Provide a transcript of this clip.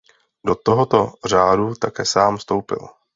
Do tohoto řádu také sám vstoupil.